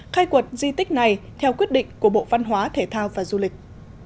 khai quật di tích này theo quyết định của bộ văn hóa thể thao và du lịch